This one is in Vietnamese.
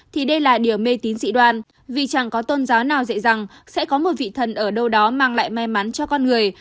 thì đây là điều mê tín dị đoan vì chẳng có tôn giáo nào dạy rằng sẽ có một vị thần ở đâu đó mang lại may mắn cho con người